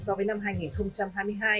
so với năm hai nghìn hai mươi hai